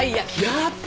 やった！